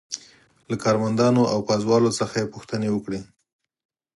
له کارمندانو او پازوالو څخه یې پوښتنې وکړې.